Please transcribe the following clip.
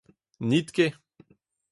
N’it ket !